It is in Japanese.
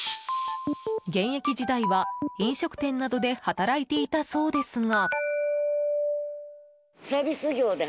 現役時代は飲食店などで働いていたそうですが。